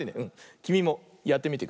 きみもやってみてくれ。